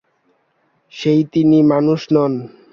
সেই তিনি মানুষ নন।